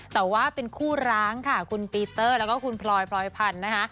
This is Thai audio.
แต่ว่าเป็นคู่ร้างค่ะคุณปีเตอร์แล้วก็คุณพลอยพลอยพันธุ์นะคะ